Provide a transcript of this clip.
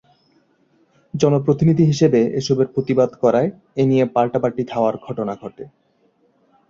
জনপ্রতিনিধি হিসেবে এসবের প্রতিবাদ করায় এ নিয়ে পাল্টাপাল্টি ধাওয়ার ঘটনা ঘটে।